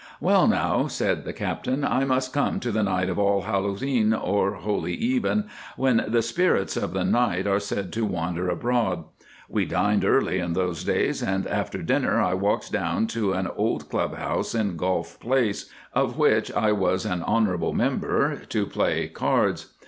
"Well, now," said the Captain, "I must come to the night of All Hallows E'en, or Holy Even, when the spirits of the night are said to wander abroad. We dined early in those days, and after dinner I walked down to an old Clubhouse in Golf Place, of which I was an hon. member, to play cards.